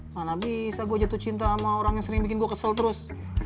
mana bisa gue jatuh cinta sama orang yang sering bikin gue kesel terus